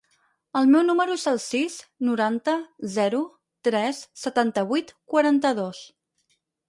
El meu número es el sis, noranta, zero, tres, setanta-vuit, quaranta-dos.